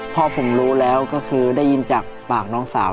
พ่อผมรู้แล้วก็คือได้ยินจากปากน้องสาว